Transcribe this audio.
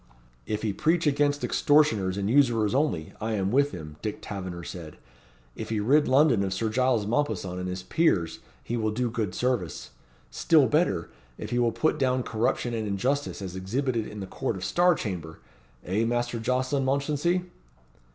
"If he preach against extortioners and usurers only, I am with him," Dick Taverner said. "If he rid London of Sir Giles Mompesson and his peers he will do good service still better, if he will put down corruption and injustice as exhibited in the Court of Star Chamber eh, Master Jocelyn Mounchensey?"